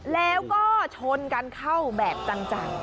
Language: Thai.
แล้วก็ชนกันเข้าแบบจัง